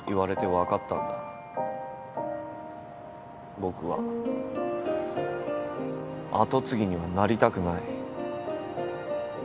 僕は跡継ぎにはなりたくない。